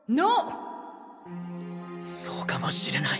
そうかもしれない。